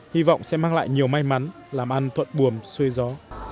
hy vọng sẽ mang lại nhiều may mắn làm ăn thuận buồm xuôi gió